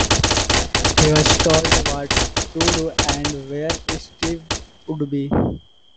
He was told what to do and where Steve would be.